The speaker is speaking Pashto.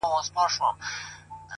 • شا او مخ ته یې پر هر وګړي بار کړل ,